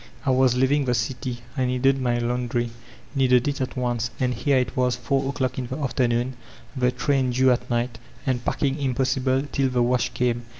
I was leaving the dty; I needed my laundry, needed it at once; and here it was four o'clock in the afternoon, the train due at night, and packing impossible till the wash came.